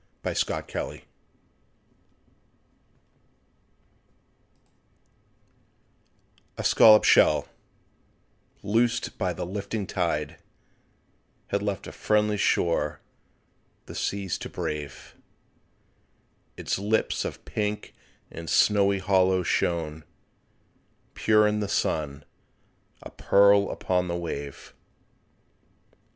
THE SCALLOP SHELL A scallop shell, loosed by the lifting tide, Had left a friendly shore, the seas to brave; Its lips of pink and snowy hollow shone Pure in the sun, a pearl upon the wave.